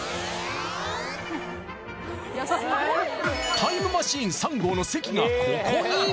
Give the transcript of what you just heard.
タイムマシーン３号の関がここに！